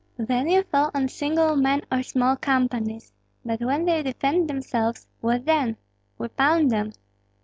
"Then you fall on single men or small companies; but when they defend themselves, what then?" "We pound them."